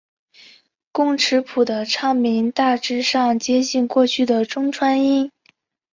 工尺谱的唱名大致上接近过去的中州音。